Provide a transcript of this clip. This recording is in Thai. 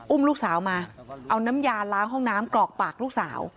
ลูกสาวมาเอาน้ำยาล้างห้องน้ำกรอกปากลูกสาว